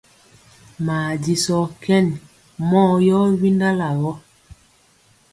Maa jisɔɔ kɛn mɔɔ yɔ windala gɔ.